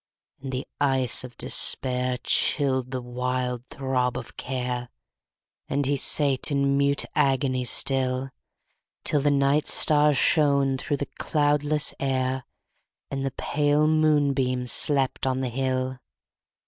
6. And the ice of despair Chilled the wild throb of care, And he sate in mute agony still; Till the night stars shone through the cloudless air, _35 And the pale moonbeam slept on the hill.